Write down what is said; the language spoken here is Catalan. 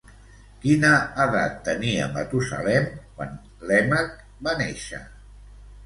Quina edat tenia Matusalem quan Lèmec va néixer?